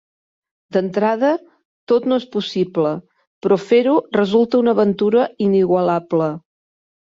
D'entrada, tot no és possible, però fer-ho resulta una aventura inigualable.